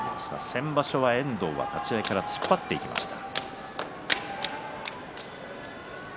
先場所は遠藤は立ち合いから突っ張っていきました。